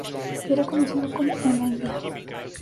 Era conocido como Onaindia.